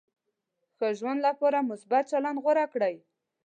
ښه ژوند لپاره مثبت چلند غوره کړئ.